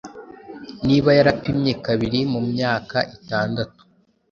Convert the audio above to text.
Niba yarapimye kabiri mumyaka itandatu,